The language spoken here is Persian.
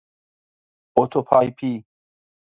اتوپیایی